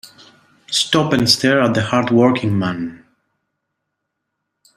Stop and stare at the hard working man.